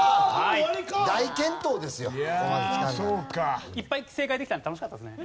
いっぱい正解できたんで楽しかったですね。